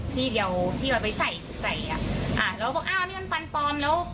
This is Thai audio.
ซี่เดียวที่เราไปใส่ใส่อ่ะอ่าแล้วบอกอ้าวนี่เป็นฟันฟอร์มแล้ว